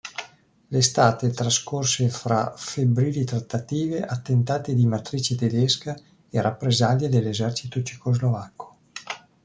L'estate trascorse fra febbrili trattative, attentati di matrice tedesca e rappresaglie dell'esercito Cecoslovacco.